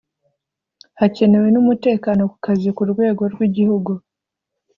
hakenewe n’umutekano ku kazi ku rwego rw’igihugu